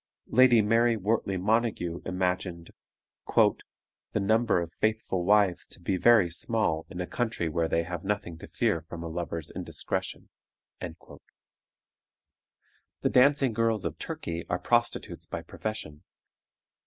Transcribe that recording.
Lady Mary Wortley Montague imagined "the number of faithful wives to be very small in a country where they have nothing to fear from a lover's indiscretion." The dancing girls of Turkey are prostitutes by profession.